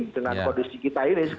dengan kondisi kita ini